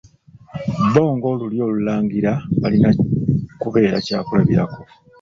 Bbo ng'Olulyo Olulangira balina kubeera kyakulabirako.